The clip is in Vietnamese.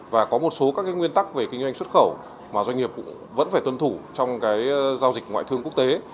và có một số các nguyên tắc về kinh doanh xuất khẩu mà doanh nghiệp cũng vẫn phải tuân thủ trong giao dịch ngoại thương quốc tế